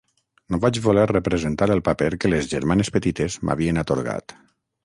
No vaig voler representar el paper que les germanes petites m'havien atorgat.